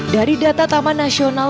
dari data taman nasional